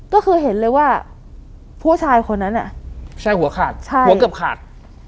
ก็คือเห็นเลยว่าผู้ชายคนนั้นอ่ะใช่หัวขาดใช่หัวเกือบขาด